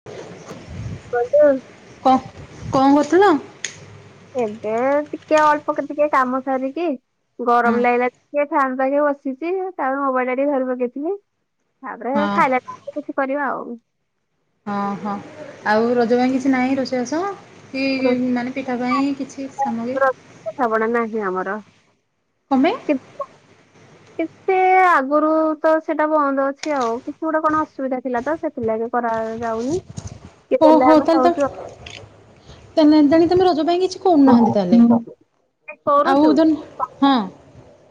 [inaudible] [inaudible] କ କଣ କରୁଥିଲ ତ? ଏବେ ଟିକେ ଅଳ୍ପକ ଟିକେ କାମ ସାରିକି ହଁ ଗରମ [unintelligible] ସେ ଫାନ ପାଖେ ବସିଛି ତାପରେ ମୋବାଇଲ ଟା ଟିକେ ଘରେ ପକେଇଥିଲି ତାପରେ ହଁ ଖାଇଲା କିଛି କରିବା ଆଉ। ହଁ ହଁ ଆଉ ରଜ ପାଇଁ କିଛି ନାହିଁ ରୋଷେଇବାସ? ସେ ରୋଷେଇ ମାନେ ପିଠା ପାଇଁ କିଛି ସାମଗ୍ରୀ କଥାପଡା ନାହିଁ ଆମର। [unintelligible] ଏତେ ସେ ଆଗରୁ ତ ସେଇଟା ବନ୍ଦ ଅଛି ଆଉ କିଛି ଗୋଟେ କଣ ଅସୁବିଧା ଥିଲା ତ ସେଥିଲାଗି କରା [unintelligible] ଓହ ତାଲେ ତ ତାଲେ ତା ତମ [unintelligible] ରଜ ପାଇଁ [unintelligible] କୋଉନାହାନ୍ତି ତାହେଲେ ଆଉ ହଁ।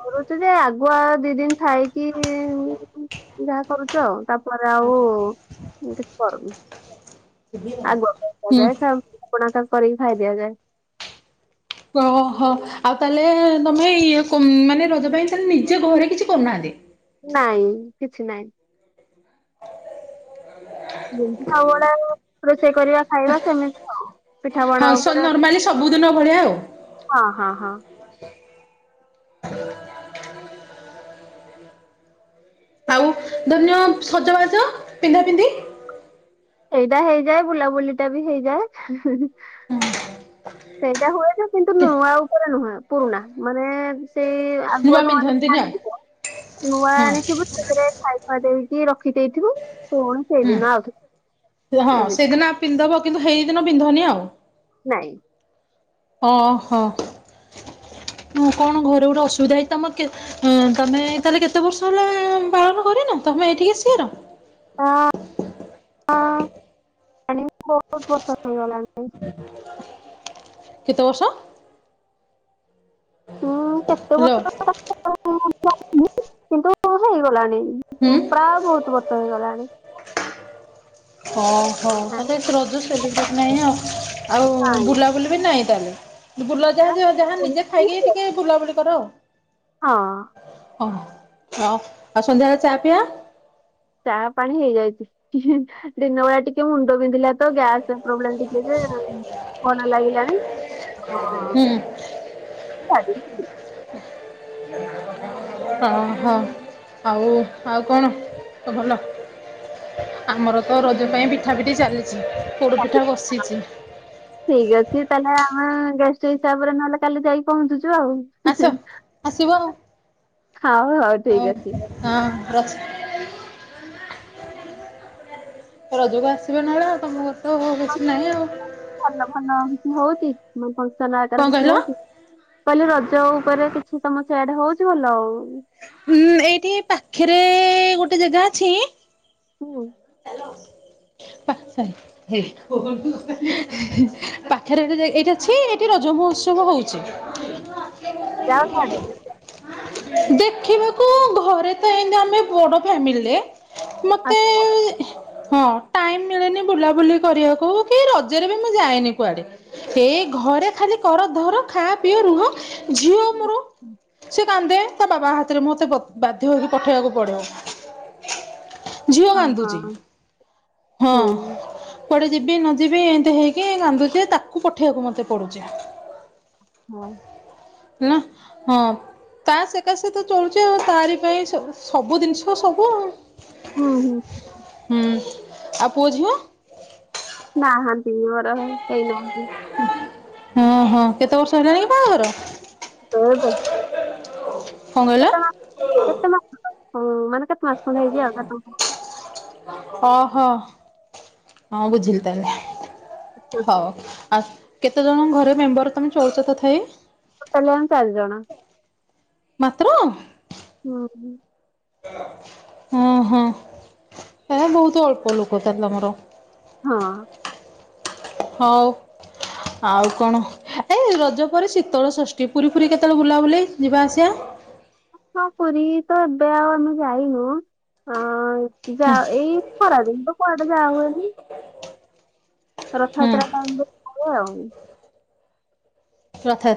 କରୁଛି ଯେ ଆଗୁଆ ଦି ଦିନ ଥାଇକି ଯାହା କରୁଛ ଆଉ ତାପରେ ଆଉ କିଛି କରୁନି। ଆଗୁଆ ହୁଁ [unintelligible] କରିକି ଖାଇ ଦିଆଯାଏ। ଓହୋ ଆଉ ତାହେଲେ ତମେ ଇଏ ମାନେ ରଜ ପାଇଁ ତାେଲେ ନିଜେ ଘରେ କିଛି କରୁନାହାନ୍ତି। ନାଇଁ କିଛି ନାଇଁ। ଉ ଗୁଡା ରୋଷେଇ କରିବା ଖାଇବା ସେମିତି ଆଉ। ପିଠା ପଣା ହଁ ଉପରେ ନର୍ମାଲି ସବୁଦିନ ଭଳିଆ ଆଉ। ହଁ ହଁ ହଁ। ଧନ୍ୟ ସଜବାଜ ପିନ୍ଧା ପିନ୍ଧି। ଏଇଟା ହେଇଯାଏ ବୁଲାବୁଲି ଟା ବି ହେଇଯାଏ। ସେଇଟା ହୁଏନ କିନ୍ତୁ ନୂଆ ଉପରେ ନୁହେଁ ପୁରୁଣା ମାନେ ସେଇ ଆଗୁଆ ନୂଆ ତ ପିନ୍ଧନ୍ତିନି ଆଉ ଆଣିିବ ନୂଆ ହଁ ଆଣିଥିବୁ ସେଥିରେ ଖାଇ ଖୁଆ ଦେଇକି ରଖି ଦେଇଥିବୁ ପୁଣି ହୁଁ ସେଇଦିନ ହଁ ଏମିତି ସେଦିନ ପିନ୍ଧବ କିନ୍ତୁ ସେଇଦିନ ପିନ୍ଧନି ଆଉ। ନାଇଁ। ଓହୋ କଣ ଘରେ ଗୋଟେ ଅସୁବିଧା ହେଇ ତମ ହଁ ତମେ ତାହେଲେ କେତେ ବର୍ଷ ହେଲା ପାଳନ କରିନ ତମେ ଏଇଠିକି ଆସିବାର। ହ ହଣି ବହୁତ ବର୍ଷ ହେଇଗଲାଣି। କେତେ ବର୍ଷ? ମୁଁ କେତେ ହ୍ୟାଲୋ ବର୍ଷ [unintelligible] ହେଇଗଲାଣି କିନ୍ତୁ ହେଇଗଲାଣି। ହୁଁ। ପ୍ରାୟ ବହୁତ ବର୍ଷ ହେଇଗଲାଣି। ଓ ହଉ ତାହେଲେ ଏଠି ରଜ ସେଲିବ୍ରେଟ ନାହିଁ ଆଉ। ଆଉ ବୁଲାବୁଲି ବି ନାହିଁ ତାହେଲେ ବୁଲ ଯାହା ଯାହା ନିଜେ ଖାଇକି ଟିକେ ବୁଲାବୁଲି କର ଆଉ। ହଁ ଓ ହୋ ଆଉ ସନ୍ଧ୍ୟାବେଳେ ଚା ପିଆ? ଚାହା ପାଣି ହେଇଯାଇଚି। ଦିନ ବେଳା ଟିକେ ମୁଣ୍ଡ ବିନ୍ଧିଲା ତ ଗ୍ୟାସରେ ପ୍ରୋବ୍ଲେ ଟିକେ ଯେ ଭଲ ଲାଗିଲାଣି। ହୁଁ ହଁ ହଁ ଆଉ ଆଉ କଣ ସବୁ ଭଲ? ଆମର ତ ରଜ ପାଇଁ ପିଠାପିଠି ଚାଲିଚି ପୋଡ଼ ପିଠା ବସିଚି। ଠିକ୍ ଅଛି ତାହେଲେ ଆମେ ଗେଷ୍ଟ ହିସାବରେ ନହେଲେ କାଲି ଯାଇ ପହଞ୍ଚୁଛୁ ଆଉ। ଆସ ଆସିବ ଆଉ ହଉ ହଉ ଠିକ୍ ଅଛି। ହଁ ର ରଜକୁ ଆସିବେ ନହେଲେ ଆଉ ତମ ଘରେ ତ କିଛି ନାହିଁ ଆଉ। ଭଲ ଭଲ କିଛି ହଉଚି ମାନେ ଫଙ୍କସନ କଣ ଆକାର କିଛି କହିଲ? ହଉଚି। ମୁଁ କହିଲି ରଜ ଉପରେ କିଛି ତମର ସିଆଡେ ହଉଚି ଭଲ ଆଉ। ଉଁ ଏଇଠି ପାଖେରେ ଗୋଟେ ଜାଗା ଅଛି। ହୁଁ [unintelligible] ପାଖେରେ ଏଇଠି ଯାଇ ଏଠି ରଜ ମହୋତ୍ସବ ହଉଚି। ଯାଅ ଖାଇଦେ ଦେଖିବାକୁ ଘରେ ତ ଏମିତି ଆମେ ବଡ ଫ୍ୟାମିଲିରେ। ମତେ ହଁ ଟାଇମ୍ ମିଳେନି ବୁଲାବୁଲି କରିବାକୁ କି ରଜରେ ବି ମୁଁ ଯାଏନି କୁଆଡେ। ଏ ଘରେ ଖାଲି କର ଧର ଖା ପିଅ ରୁହ ଝିଅ ମୋର ସେ କାନ୍ଦେ ତା ବାବା ହାତରେ ମୋତେ ବାଧ୍ୟ ହେଇକି ପଠେଇବାକୁ ପଡିବ। ଝିଅ କାନ୍ଦୁଚି। ହଁ କୁଆଡେ ଯିବି ନ ଯିବି ଏମିତି ହେଇକି କାନ୍ଦୁଚି ତାକୁ ପଠେଇବାକୁ ମତେ ପଡ଼ୁଚି। ହଁ ଆଉ ନା ହଁ ତା ସେକାସେ ତ ଚଳୁଛେ ଆଉ ତାରି ପାଇଁ ସବୁ ଜିନିଷ ସବୁ। ହଁ ନା ଆଉ ପୁଅଝିଅ। ନାହାନ୍ତି ମୋର କେହି ନାହାନ୍ତି। ହଁ ହଁ କେତେ ବର୍ଷ ହେଲାଣି କି ବାହାଘର? ଚୋଉଦ। କଣ କହିଲ? କେତେ ମାସ କହିଲେ? ଉଁ ମାନେ ଏଇଟା ଫାଷ୍ଟ ଖଣ୍ଡେ ହେଇଚି ଆଉ। ଚାରି ପାଞ୍ଚ ଓହୋ ହଁ ବୁଝିଲି ତାହେଲେ। ହଉ ଆଉ କେତେ ଜଣ ଘରେ ମେମ୍ବର ତମେ ଚଳୁଚ ତଥାପି? ଟୋଟାଲି ଆମେ ଚାରି ଜଣ। ମାତ୍ର ହୁଁ ହଁ ହଁ ଏ ବହୁତ ଅଳ୍ପ ଲୋକ ତାହାଲେ ତମର ହଁ ହଉ ଆଉ କଣ ଏଇ ରଜ ପରେ ଶୀତଳ ଷଷ୍ଠୀ ପୁରୀ ଫୁରୀ କେତେବେଳେ ବୁଲାବୁଲି ଯିବା ଆସିବା ହଁ ପୁରୀ ତ ଏବେ ଆଉ ଆମେ ଯାଇନୁ ଅ ଯ ହୁଁ ଏଇ ଖରାଦିନ ତ କୁଆଡ଼େ ଯାଇ ହୁଏନି। ହୁଁ ରଥଯାତ୍ରା ଟା ଆମ କ ଆଉ [unintelligible]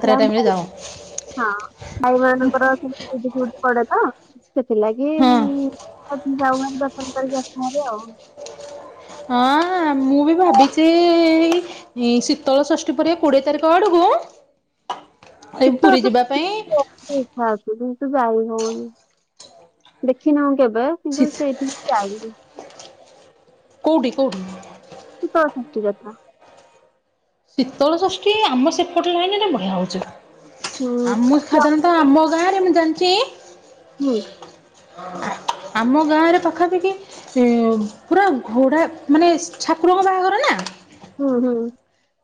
ସେଟା ଆମ ଟାଇମରେ ଭାଇ ଯାଅ। ହଁ ଭାଇ ମାନଙ୍କର ସେଇଠି ଡ଼ିଉଟି ଫିଉଟି ପଡେ ତ। ସେଥିଲାଗି ହଁ ଯାଉ ଦର୍ଶନ କରି ଆସୁ ହେରି ଆଉ ହଁ ମୁଁ ବି ଭାବିଛି ଏଇ। ଶୀତଳ ଷଷ୍ଠୀ ପରେ କୋଡିଏ ତାରିଖ ଆଡକୁ ଏ ଶୀତ ପୁରୀ ଯିବା ପାଇଁ ଇଚ୍ଛା ଅଛି କିନ୍ତୁ ଯାଇ ହଉନି ଦେଖିନାହୁଁ କେବେ। କିନ୍ତୁ ଶୀତ ସେଇଠି ଯାଇନି କୋଉଠି କୋଉଠି ଶୀତଳ ଷଷ୍ଠୀ କଥା। ଶୀତଳ ଷଷ୍ଠୀ ଆମ ସେପଟେ ଲାଇନରେ ବଢିଆ ହଉଛି। ହୁଁ। ଆମ ଖାତାନ ତ ଆମ ଗାଁରେ ମୁ ଜାଣିଛି। ହୁଁ ଆମ ଗାଁରେ ପାଖାପାଖି ଏ ପୁରା ଘୋଡ଼ା ମାନେ ଠାକୁରଙ୍କ ବାହାଘର ନା ହୁଁ ହୁଁ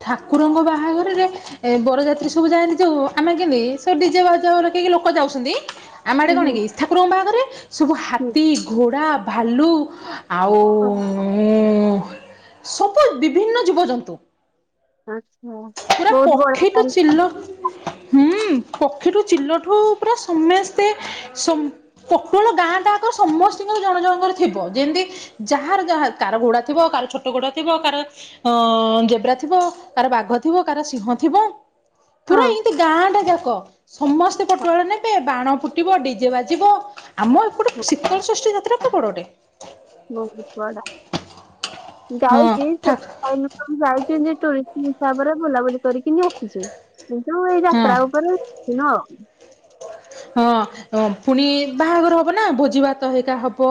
ଠାକୁରଙ୍କ ବାହାଘରରେ ଏ ବରଯାତ୍ରୀ ସବୁ ଯାଆନ୍ତିି ଯୋଉ ଆମେ କେନ୍ତି ସବୁ ଡିଜେ ବାଜା ଡ଼କେଇକି ଲୋକ ଯାଉଛନ୍ତି। ଆମେ ଆଡ଼େ ହୁଁ କଣ ହୁଁ କି ଠାକୁରଙ୍କ ବାହାଘରରେ ସବୁ ହୁଁ ହାତୀ, ଘୋଡ଼ା, ଭାଲୁ ଆଉ ସବୁ ବିଭିନ୍ନ ଜୀବଜନ୍ତୁ। ହଁ ପୁରୁର ପକ୍ଷୀ ଟୁ ଚିଲ ହୁଁ। ହୁଁ ପକ୍ଷୀଠୁ ଚିଲଠୁ ପୁରା ସମସ୍ତେ ସମ ପଟଳ ଗାଁ ଟା କର ସମସ୍ତଙ୍କର ଜଣ ଜଣଙ୍କର ଥିବ ଯେମତି ଯାହାର ଯାହା କାହାର ଘୋଡା ଥିବ କାହାର ଛୋଟ ଘୋଡା ଥିବ କାହାର ଅ ଯେବ୍ରା ଥିବ କାର ବାଘ ଥିବ କାର ସିଂହ ଥିବ ପୁରା ହଁ। ଏମିତି ଗାଁ ଟା ଯାକ। ସମସ୍ତେ ପଟୁଆଳ ନେବେ ବାଣ ଫୁଟିବ ଡିଜେ ବାଜିବ ଆମ ଏପଟେ ହଁ, ଶୀତଳ ଷଷ୍ଠୀ ଯାତ୍ରା କ ପଡ଼ୋଟେ ବହୁତ ବଡା ହଁ ଯାଉଛି ଠାକ୍ ସେଠ ଆ ଯାଇ ଯେ ଟୁରିଷ୍ଟ ହିସାବରେ ବୁଲାବୁଲି କରିକି ଆସିଛୁ କିନ୍ତୁ ଏଇ ହଁ ଯାତ୍ରା ଉପରେ ଥିଲ ହଁ ପୁଣି ବାହାଘର ହବ ନା ଭୋଜି ଭାତ ହେରିକା ହବ।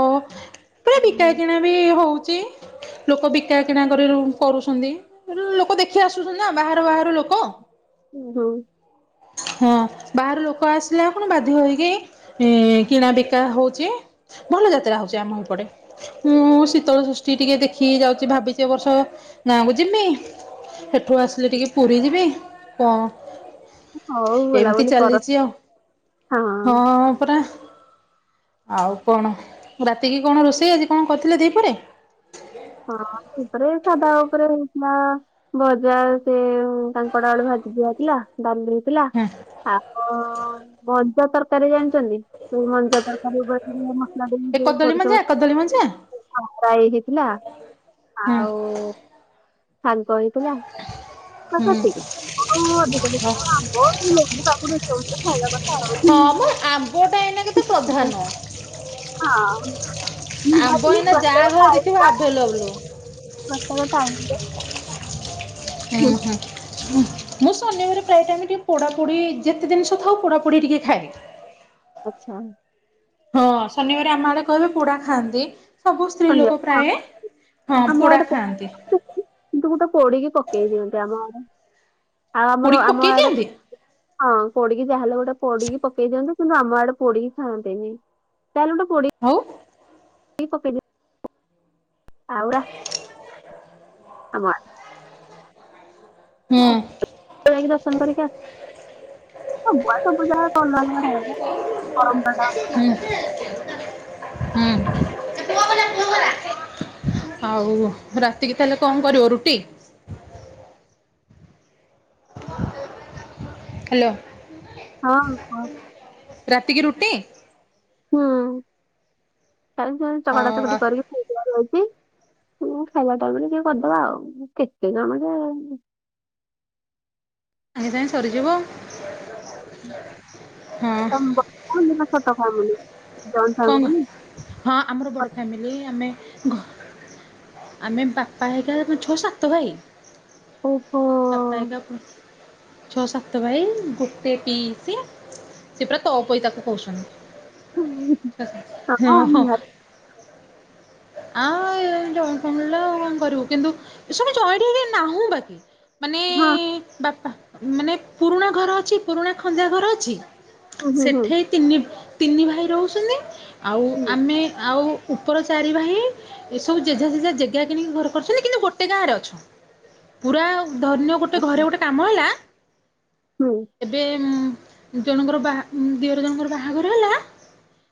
ପୁରା ବିକା ହୁଁ କିଣା ବି ହଉଛି ଲୋକ ବିକା କିଣା କରି କରୁଛନ୍ତି। ଲୋକ ଦେଖି ଆସୁଛନ୍ତି ନା ବାହାର ବାହାର ଲୋକ। ଓ ହଉ ହଁ ବାହାରୁ ଲୋକ ଆସି ହେଲେ କଣ ବାଧ୍ୟ ହୋଇକି କିଣା ବିକା ହଉଛି ଭଲ ଯାତ୍ରା ହଉଛି ଆମ ଏପଟେ ମୁଁ ଶୀତଳଷଷ୍ଠି ଟିକେ ଦେଖିକି ଯାଉଛି ଭାବିଛି ବର୍ଷ ନାଁ କ ଜିମି ଏଠୁ ଆସିଲେ ଟିକେ ପୁରୀ ଯିବି କଣ ହଉ ଏମିତି ବୁଲାବୁଲି କର ଚାଲିଛି ଆଉ ହଁ ପରା ଆଉ କଣ ରାତିକି କଣ ରୋଷେଇ ଆଜି କଣ କରିଥିଲେ ଦିପରେ ହଁ ଉପରେ ସାଦା ଉପରେ ହେଇଥିଲା ଭଜା ସେ କାଙ୍କଡ଼ ଆଳୁ ଭାଜି ଦିଆଥିଲା ଡାଲି ଦେଇଥିଲା ହୁଁ ଶାଗ ମଞ୍ଜା ତରକାରୀ ଜାଣିଛନ୍ତି ତ ମଞ୍ଜା ତରକାରୀ ଉପରେ ମସଲା ଦେଇ ଏ ଯୋଉ କଦଳୀ ମଞ୍ଜା ସୋରିଷ କଦଳୀ ମଞ୍ଜା ରାଇ ହେଇଥିଲା ହୁଁ ଆଉ ଶାଗ ହେଇଥିଲା ବାସ ହୁଁ। ଏତିକି ହଁ ହଁଧିକାବ ଲୁ ପାାକୁ ରୋଷଛନ୍ତି ଖାଇବା କଥା ହଉଛି [inaudible] ଆମ୍ବ ଟା ଏଇନେ କେ ପ୍ରଧାନ ହଁ ନିହାତି ଆମ୍ବ ଏଇନା ଯାହା ପ୍ରତ୍ୟେକ ଘରେ ଦେଖିବ ଆଭେଲବୁଲ ମତେ ମ ଆ [inaudible] ଉଁ ହୁଁ ମୁଁ ଶନିବାର ପ୍ରାୟ ଟାଇମ ଆମେ ଟିକେ ପୋଡାପୋଡି ଯେତେ ଜିନିଷ ଥାଉ ପୋଡାପୋଡି ଟିକେ ଖାଏ ଆଚ୍ଛା ହଁ ଶନିବାର ଆମ ଆଡେ କହିବେ ପୋଡା ଖାଆନ୍ତି ସବୁ ସ୍ତ୍ରୀ ଲୋକ ଧନ୍ୟବାଦ। ପ୍ରାୟ ହଁ ଆମ ପୋଡା ଆଡେ ପୋ- ଖାଆନ୍ତି କିନ୍ତୁ ଗୋଟେ ପୋଡିକି ପକେଇ ଦିଅନ୍ତି ଆମ ଆଡେ ଆଉ ଆମର ପୋଡିକି ଆମ ପକେଇ ଆଡେ ଦିଅନ୍ତି ହଁ ପୋଡିକି ଯାହେଲେ ଗୋଟେ ପୋଡିକି ପକେଇ ଦିଅନ୍ତୁ କିନ୍ତୁ ଆମ ଆଡେ ପୋଡିକି ଖାଆନ୍ତିନି ତାହେଲେ ଗୋଟେ ପୋଡି ହଉ ପକେଇ ଦିଅନ୍ତି ଆଉ ରାତି ଆମ ହୁଁ ଯାଇକି ଦର୍ଶନ କରିକି ଆସିବୁ ସବୁ ପୁଜା କ ହଁ [inaudible] ହୁଁ [unintelligible] ଆଉ ରାତିକି ତାହେଲେ କଣ କରିବ ରୁଟି ହାଲୋ। ହଁ ହଁ। ରାତି କିି ରୁଟି ହୁଁ ତାସାଙ୍ଗେ ହଁ ଚକଟା ଆ ଚକଟି କରିକି ଖାଇବା ଟାଇମରେ ଟିକେ କରିଦବା ଆଉ କେତେ ଜଣ ଯେ ସାଙ୍ଗେ ସାଙ୍ଗେ ସରିଯିବ ହଁ। କଣ ଲଖଛ ତ ଫାମ ଜ ଫାମ କଣ [unintelligible] ହଁ ଆମର ବଡ଼ ଫ୍ୟାମିଲି ଆମେ ଆମେ ବାପା ହେଇକା ଛଅ ସାତ ଭାଇ। ଓହୋ ବାପା ହେଇକା ଛଅ ସାତ ଭାଇ ଗୋଟେ ପିଇସି ସେ ପୁରା ତଅପୋଇ ତାକୁ କହୁଛନ୍ତି। ହୁଁ। ହଁ ହଁ। ଆଉ ଜଏଣ୍ଟ ଫାମିଲ ତ କଣ କରିବୁ କିନ୍ତୁ ଏ ସବୁ ଜଏଣ୍ଟ ହେଇକି ନାହୁ ବାକି ହଁ। ବାପା ମାନେ ପୁରୁଣା ଘର ଅଛି ପୁରୁଣା ଖଞ୍ଜା ଘର ଅଛି ହୁଁ ହୁଁ ହୁଁ ସେଠି ତିନି ତିନି ଭାଇ ରହୁଛନ୍ତି ଆଉ ହୁଁ ଆମେ ଆଉ ଉ ଚାରି ଭାଇ ଏସବୁ ଜେଝା ଜେଝା ଜେଗା କିଣିକି ଘର କରିଛନ୍ତି କିନ୍ତୁ ଗୋଟେ ଗାଆଁ ରେ ଅଛନ୍ତି। ପୁରା ଧରିନିଅ ଗୋଟେ ଆଚ୍ଛା। ଘରେ ଗୋଟେ କାମ ହେଲା। ହୁଁ। ଏବେ ଜଣଙ୍କର ବା ଦିଅର ଜଣଙ୍କର ବାହାଘର ହେଲା।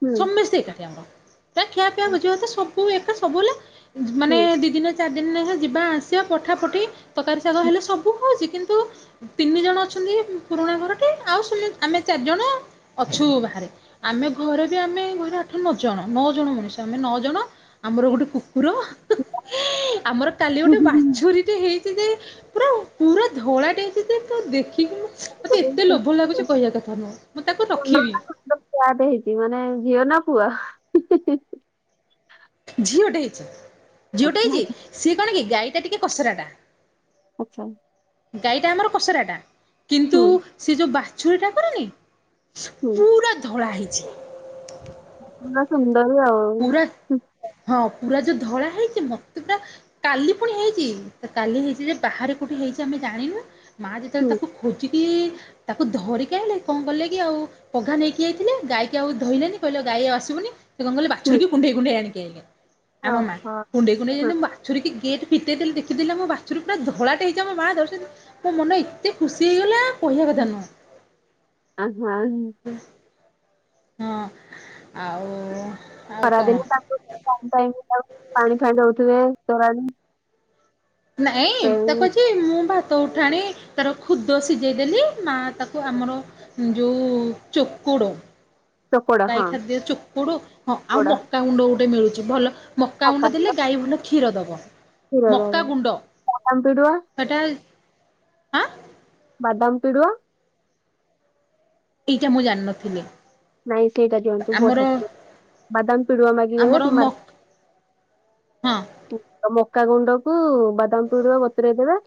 ହୁଁ ସମସ୍ତେ ଏକାଠି ଆମର ଖିଆ ପିଆ ଭୋଜି ଭାତ ସବୁ ଏକା ସବୁ ହେଲା। ମାନେ ହୁଁ। ଦିଇ ଦିନ ଚାରି ନେଖା ଯିବା ଆସିବା ପଠା ପଠି ତକାରି ଶାଗ ହେଲେ ସବୁ ଖାଉଚି କିନ୍ତୁ ତିନି ଜଣ ଅଛନ୍ତି ପୁରୁଣା ଘରଟେ ଆଉ ସମେ ଆମେ ଚାରି ଜଣ ଅଛୁ ବାହାରେ ଆମେ ଘରେ ବି ଆମେ ଘରେ ଆଠ ନଅ ଜଣ ନଅ ଜଣ ମଣିଷ ଆମେ ନଅ ଜଣ ଆମର ଗୋଟେ କୁକୁର ଆମର କାଲି ଗୋଟେ ବାଛୁରୀ ହେଇଛି ଯେ ପୁରା ପୁରା ଧଳାଟେ ହେଇଛି ତୁ ଦେଖିକି ମତେ ଏତେ ଲୋଭ ଲାଗୁଛି କହିବା କଥା ନୁହଁ ମୁଁ ତାକୁ ରଖିବି। କ୍ୟାଟ୍ ହେଇଚି ମାନେ ଝିଅ ନା ପୁଅ। ଝିଅଟେ ହେଇଛି ଝିଅଟେ ଆଚ୍ଛା ହେଇଛି ଆଚ୍ଛା ସିଏ କଣ କି ଗାଈ ଟା ଟିକେ କସରା ଟା ଆଚ୍ଛା। ଗାଈଟା ଆମର କସରାଟା କିନ୍ତୁ ହୁଁ ସେ ଯୋଉ ବାଛୁରୀ ଟା କରିନି ହୁଁ ପୁରା ଧଳା ହେଇଛି। ପୁରା ସୁନ୍ଦର ହି ହବ। ପୁରା ହଁ ପୁରା ଯୋଉ ଧଳା ହେଇଛି ମତେ ପୁରା କାଲି ପୁଣି ହେଇଛି କାଲି ହେଇଛି ଯେ ବାହାରେ କେଉଁଠି ହେଇଛି ଆମେ ଜାଣିନୁ ମା ଯେତେବେଳେ ହୁଁ ତାକୁ ଖୋଜିକି ତାକୁ ଧରିକି ଆଇଲେ କଣ କଲେ କି ଆଉ ପଘା ନେଇକି ଯାଇଥିଲେ ଗାଈ କି ଆଉ ଧଇଲେନି କହିଲେ ଗାଈ ଆଉ ଆସିବନି ସେ କଣ କଲେ ହୁଁ। ବାଛୁରୀକି କୁଣ୍ଡେଇ କୁଣ୍ଡେଇ ଆଣିିକି ଆଇଲେ ଆମ ମାଆ। ଓହୋ କୁଣ୍ଡେଇ କୁଣ୍ଡେଇ ହଁ ଯେମିତି ବାଛୁରୀ କି ଗେଟ ଫିଟେଇ ଦେଲି ଦେଖିଦେଲି ଆମ ବାଛୁରୀ ପୁରା ଧଳା ଟେ ହେଇଚି ଆମ ମାଆ ଜ ମୋ ମନ ଏତେ ଖୁସି ହେଇଗଲା କହିବା କଥା ନୁହଁ। ଆ ହଁ ହଁ ଆଉ ଆଉ କଣ ଖରାଦିନ ତାଙ୍କୁ ପାଣି ଫାନି ଦଉଥିବେ ତୋରାଣି ନାଇଁ ତା କହିଛି ମୁଁ ଭାତ ଉଠାଣି ତାର ଖୁଦ ସିଜେଇ ଦେଲି। ନା ତାକୁ ଆମର ଯୋଉ ଚୋକଡ ଚୋକଡ ଗାଈ ହଁ ଖାଦ୍ୟ ଚୋକୋଡ ହଁ ଆଉ ଚୋକଡ ମକା ଗୁଣ୍ଡ ଗୋଟେ ମିଳୁଚି। ମକା ଗୁଣ୍ଡ ଦେଲେ ଗାଈ ଭଲ କ୍ଷୀର ଦେବ କ୍ଷୀର ମକା ବାଦାମ ଗୁଣ୍ଡ ପିଡୁଆ ସେଟା ଆଁ। ବାଦାମ ପିଡୁଆ। ଏଇଟା ମୁଁ ଜାଣିନଥିଲି। ନାଇଁ ସେଇଟା ଦିଅନ୍ତୁ ଆମର ବଢିଆ ବାଦାମ ପିଡୁଆ ଆମର ମାଗିବେ ମ ହଁ। ମକା ଗୁଣ୍ଡକୁ ବାଦାମ ପିଡୁଆ ବତୁରେଇ ଦେବେ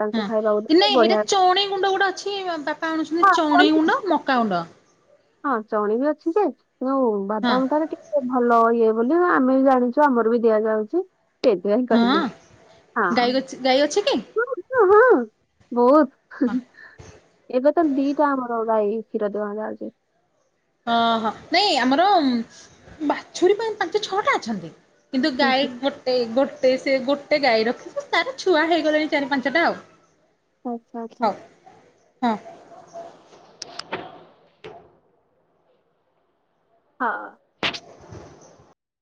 ତାଙ୍କୁ ଖାଇବାକୁ ହଁ ଦେବେ ନାଇଁ ସେଇଟା ବଢିଆ ଚଣେଇ ଗୁଣ୍ଡ ଗୋଟେ ଅଛି ବାପା ଆଣୁଛନ୍ତି ହଁ ଚଣେଇ ଚଣି ଗୁଣ୍ଡ ମକା ଗୁଣ୍ଡ ହଁ ଚଣି ବି ଅଛି ଯେ ଯଉ ହଁ ବାଦାମ ତାରେ ଭଲ ଇଏ ବୋଲି ଆମେ ବି ଜାଣିଛୁ ଆମର ବି ଦିଆ ନିଆ ହଉଛି। [unintelligible] ହଁ। ଡାଇ ଅଛି କି? ହଁ ହଁ ବହୁତ ହଁ ଏବେ ତ ଦିଟା ଆମର ଭାଇ କ୍ଷୀର ଦେବା ଚାଉଛି ଅହୋ ନାଇଁ ଆମର ବାଛୁରୀ ପାଇଁ ପାଞ୍ଚ ଛଅଟା ଅଛନ୍ତି। କିନ୍ତୁ ଗାଈ ଗୋଟେ ଗୋଟେ ସେ ଗୋଟେ ଗାଈ ରଖି ତାର ଛୁଆ ହେଇଗଲାଣି ଚାରି ପାଞ୍ଚଟା ଆଉ। ହଉ [unintelligible] ହଁ। ହଁ।